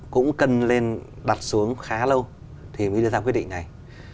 cũng cần lên đặt xuống khá lâu thì mới đưa ra quyết định này